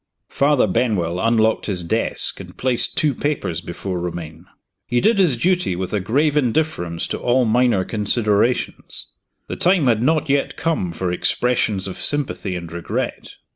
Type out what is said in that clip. Father Benwell unlocked his desk and placed two papers before Romayne. He did his duty with a grave indifference to all minor considerations. The time had not yet come for expressions of sympathy and regret.